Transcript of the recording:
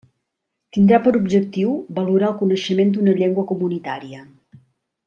Tindrà per objectiu valorar el coneixement d'una llengua comunitària.